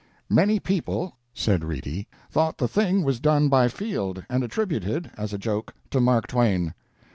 "Many people," said Reedy, "thought the thing was done by Field and attributed, as a joke, to Mark Twain.